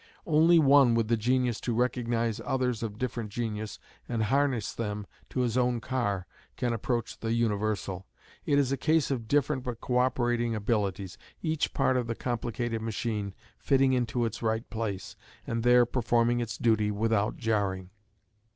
Only one with the genius to recognise others of different genius and harness them to his own car can approach the "universal." It is a case of different but coöperating abilities, each part of the complicated machine fitting into its right place, and there performing its duty without jarring.